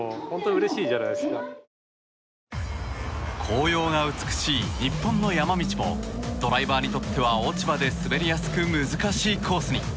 紅葉が美しい日本の山道もドライバーにとっては落ち葉で滑りやすく難しいコースに。